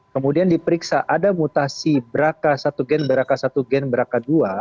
kemudian diperiksa ada mutasi brca satu brca satu brca dua